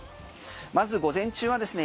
まず午前中はですね